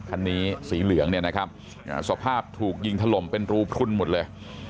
คันนี้สีเหลืองเนี่ยนะครับสภาพถูกยิงถล่มเป็นรูพลุนหมดเลย